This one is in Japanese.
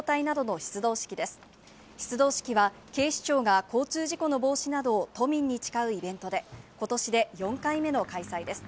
出動式は警視庁が交通事故の防止などを都民に誓うイベントで、今年で４回目の開催です。